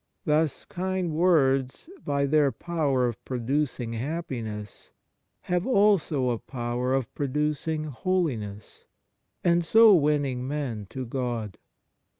Thus, kind words, by their power of pro ducing happiness, have also a power of producing holiness, and so winning men to God.